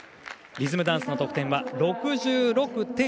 リズムダンスの得点は６６．５４。